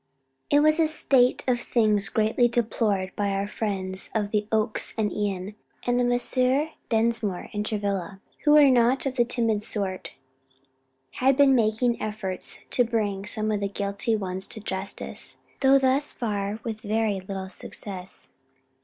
It was a state of things greatly deplored by our friends of the Oaks and Ion, and Messrs. Dinsmore and Travilla, who were not of the timid sort, had been making efforts to bring some of the guilty ones to justice; though thus far with very little success.